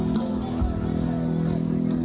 ด้วยแพทย์